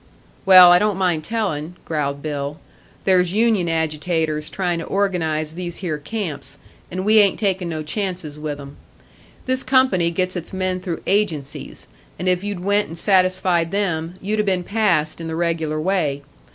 "Well, I don't mind telling," growled Bill. "There's union agitators trying to organise these here camps, and we ain't taking no chances with 'em. This company gets its men through agencies, and if you'd went and satisfied them, you'd 'a been passed in the regular way.